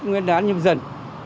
nguyên đán nhập dần